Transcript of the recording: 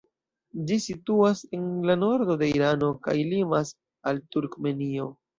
Ĝi situas en la nordo de Irano kaj limas al Turkmenio.